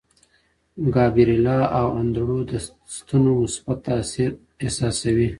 ګابرېلا او انډرو د ستنو مثبت تاثیر احساسوي.